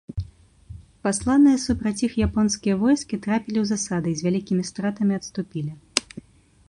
Пасланыя супраць іх японскія войскі трапілі ў засады і з вялікімі стратамі адступілі.